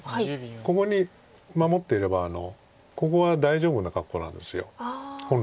ここに守っていればここが大丈夫な格好なんです本来は。